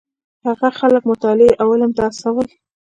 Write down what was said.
هغه خلک مطالعې او علم ته وهڅول.